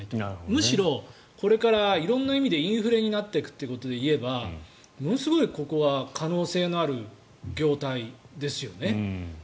むしろこれから色んな意味でインフレになっていくという意味で言えばものすごいここは可能性のある業態ですよね。